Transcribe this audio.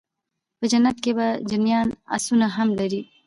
په جنت کي به جنيان آسونه هم لري